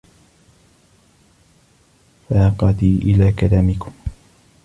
فَاقَتِي إلَى كَلَامِكُمْ